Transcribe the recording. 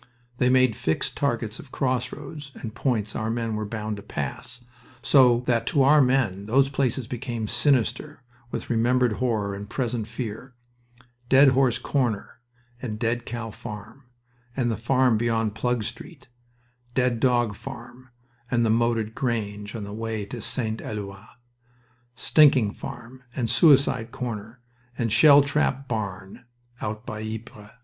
They made fixed targets of crossroads and points our men were bound to pass, so that to our men those places became sinister with remembered horror and present fear: Dead Horse Corner and Dead Cow Farm, and the farm beyond Plug Street; Dead Dog Farm and the Moated Grange on the way to St. Eloi; Stinking Farm and Suicide Corner and Shell trap Barn, out by Ypres.